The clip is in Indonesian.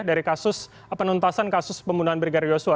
dari kasus penuntasan kasus pembunuhan brigadir yosua